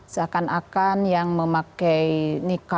seakan akan yang memakai nikab itu akan menggunakan